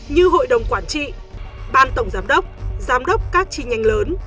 như hội đồng quản trị ban tổng giám đốc giám đốc các chi nhánh lớn